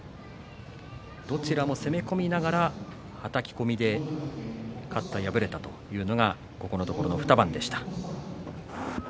どちらも攻め込みながらはたき込みで勝った、敗れたというのがここのところの２番でした。